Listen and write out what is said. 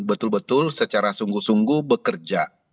betul betul secara sungguh sungguh bekerja